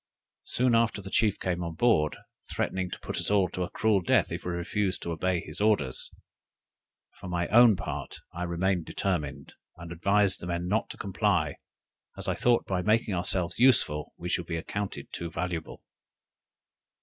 Soon after the chief came on board, threatening to put us all to a cruel death if we refused to obey his orders. For my own part I remained determined, and advised the men not to comply, as I thought by making ourselves useful we should be accounted too valuable.